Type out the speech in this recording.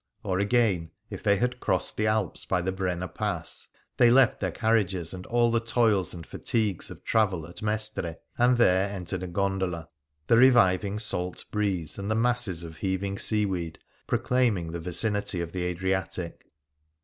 Or, again, if they had crossed the Alps by the Brenner Pass, they left their carriages and all the toils and fatigues of travel at Mestre, and there entered a gondola, the reviving salt breeze and the masses of heaving eeaweed proclaiming the vicinity of the Adriatic.